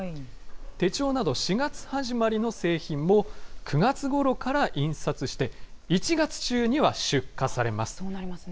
手帳など４月始まりの製品も、９月ごろから印刷して、１月中にはそうなりますね。